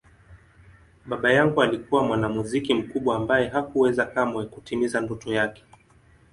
Baba yangu alikuwa mwanamuziki mkubwa ambaye hakuweza kamwe kutimiza ndoto yake.